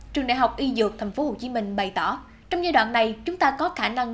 trường đại học y dược tp hcm bày tỏ trong giai đoạn này chúng ta có khả năng